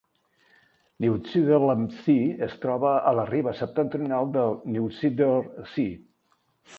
Neusiedl am See es troba a la riba septentrional del Neusiedler See.